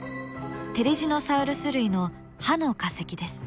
テリジノサウルス類の歯の化石です。